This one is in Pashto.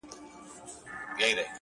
صبر د لویو لاسته راوړنو بنسټ دی,